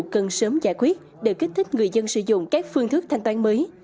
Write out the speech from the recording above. cần sớm giải quyết để kích thích người dân sử dụng các phương thức thanh toán mới